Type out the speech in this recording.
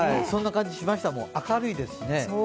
そんな感じがしましたもん、明るいですしね。